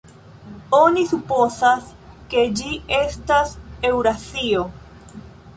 Oni supozas, ke ĝi estas Eŭrazio.